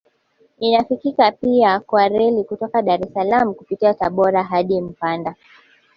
Inafikika pia kwa reli kutoka Dar es Salaam kupitia Tabora hadi mpanda